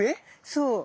そう。